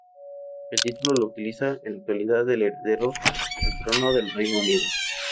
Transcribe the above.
El título lo utiliza en la actualidad el heredero al trono del Reino Unido.